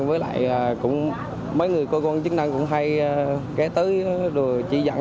với lại mấy người cơ quan chức năng cũng hay kế tới rồi chỉ dẫn